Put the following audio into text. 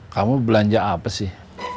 kamu belanja apa sih